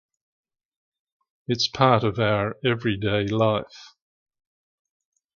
It’s part of our everyday life.